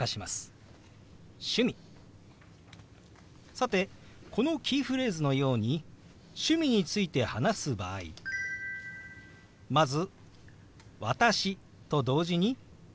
さてこのキーフレーズのように趣味について話す場合まず「私」と同時に軽くあごを下げます。